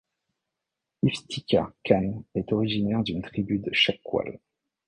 Iftikhar Khan est originaire d'une tribu de Chakwal.